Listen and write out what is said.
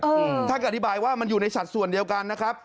ถ้าข้างแต่ที่บายว่ามันอยู่ในชัดส่วนเดียวกันนะครับ